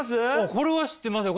これは知ってますよ！